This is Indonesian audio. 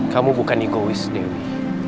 kamu bukan egois dewi